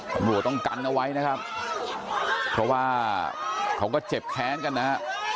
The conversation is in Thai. ตำรวจต้องกันเอาไว้นะครับเพราะว่าเขาก็เจ็บแค้นกันนะฮะ